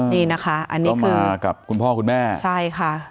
นี่นะคะอันนี้มากับคุณพ่อคุณแม่ใช่ค่ะ